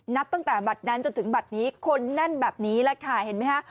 นับตั้งแต่บัตรนั้นจนถึงบัตรนี้คนแน่นแบบนี้แหละค่ะเห็นไหมคะ